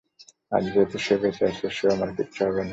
আর যেহেতু সে বেঁচে আছে, সো আমার কিচ্ছু হবে নাহ।